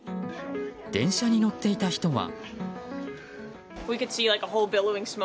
電車に乗っていた人は。